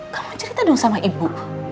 kamu cerita dulu sama ibu